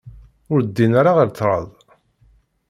Ur ddin ara ɣer ṭraḍ